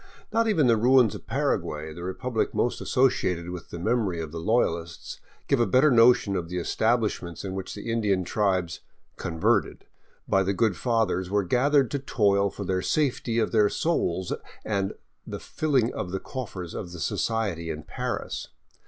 Not even the ruins of Paraguay, the republic most associated with the memory of the LoyaHsts, give a better notion of the estabHshments in which the Indian tribes " converted " by the good Fathers were gathered to toil for the safety of their souls and the filling of the coffers of the society in Paris.